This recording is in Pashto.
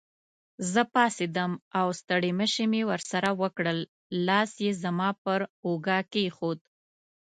زه پاڅېدم او ستړي مشي مې ورسره وکړل، لاس یې زما پر اوږه کېښود.